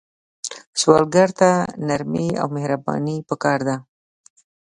سوالګر ته نرمي او مهرباني پکار ده